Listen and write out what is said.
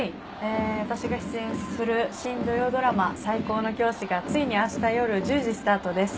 私が出演する新土曜ドラマ『最高の教師』が、ついにあした夜１０時スタートです。